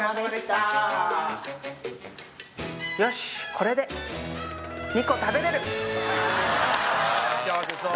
これで２個食べれる幸せそう。